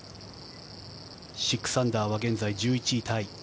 ６アンダーは現在１１位タイ。